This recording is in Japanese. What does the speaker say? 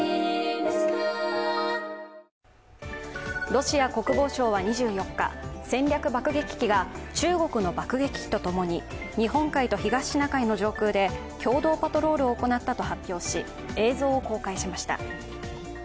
ロシア国防省は２４日、戦略爆撃機が中国の爆撃機と共に日本海と東シナ海の上空で共同パトロールを行ったと発表し映像を公開しました。